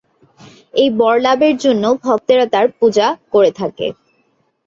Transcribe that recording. এই বর লাভের জন্য ভক্তেরা তাঁর পূজা করে থাকে।